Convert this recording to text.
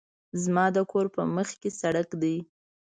زما د کور په مخکې سړک ده